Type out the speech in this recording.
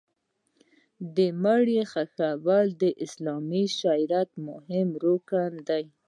د مړي ښخول د اسلامي شریعت مهم رکن دی.